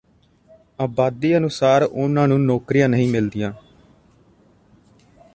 ਆਬਾਦੀ ਅਨੁਸਾਰ ਉਹਨਾਂ ਨੂੰ ਨੌਕਰੀਆਂ ਨਹੀਂ ਮਿਲਦੀਆਂ